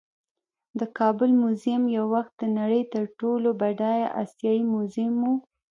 د کابل میوزیم یو وخت د نړۍ تر ټولو بډایه آسیايي میوزیم و